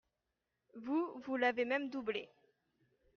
Vous, vous l’avez même doublé